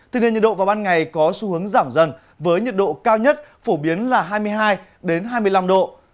thì nền nhiệt độ vào ban ngày có xu hướng giảm dần với nhiệt độ cao nhất phổ biến là hai mươi hai hai mươi năm độ